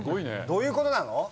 どういうことなの？